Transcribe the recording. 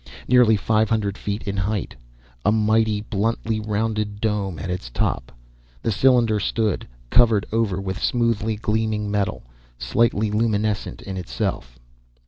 Nearly five hundred feet in height, a mighty, bluntly rounded dome at its top, the cylinder stood, covered over with smoothly gleaming metal, slightly luminescent in itself.